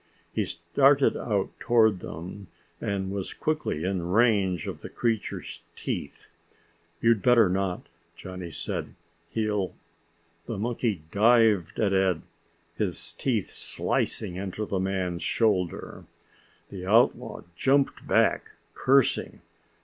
He started out toward them, and was quickly in range of the creature's teeth. "You'd better not," Johnny said. "He'll " The monkey dived at Ed, his teeth slicing into the man's shoulder. The outlaw jumped back, cursing.